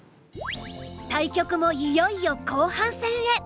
対局もいよいよ後半戦へ。